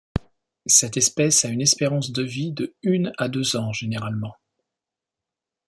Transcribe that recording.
Cette espèce a une espérance de vie de une à deux ans généralement.